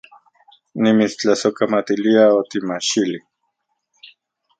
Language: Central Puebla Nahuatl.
Nimitstlasojkamatilia otimajxili